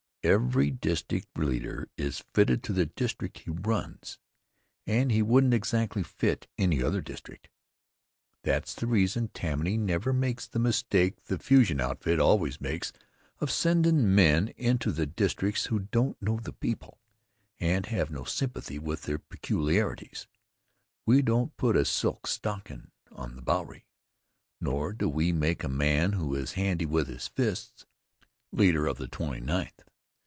Every district leader is fitted to the district he runs and he wouldn't exactly fit any other district. That's the reason Tammany never makes the mistake the Fusion outfit always makes of sendin' men into the districts who don't know the people, and have no sympathy with their peculiarities We don't put a silk stockin' on the Bowery, nor do we make a man who is handy with his fists leader of the Twenty ninth.